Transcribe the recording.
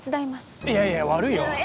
いやいや悪いよ。